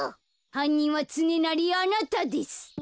はんにんはつねなりあなたです。